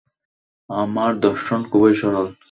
আমার দর্শন খুবই সরল।